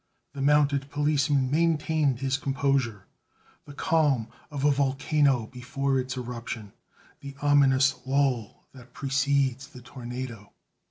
The mounted policeman maintained his composure the calm of a volcano before its eruption, the ominous lull that precedes the tornado.